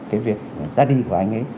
cái việc ra đi của anh ấy